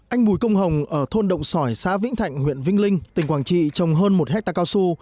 anh bùi công hồng ở thôn động sỏi xã vĩnh thạnh huyện vĩnh linh tỉnh quảng trị trồng hơn một hectare cao su